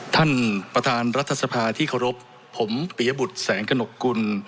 ท่านประธานรัฐสภาที่เคารพผมปียบุตรแสงกระหนกกุล